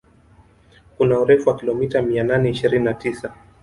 Kuna urefu wa kilomita mia nane ishirini na tisa